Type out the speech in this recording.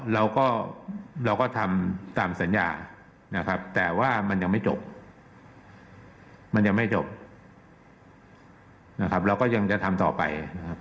เราก็ทำตามสัญญาแต่ว่ามันยังไม่จบเราก็ยังจะทำต่อไป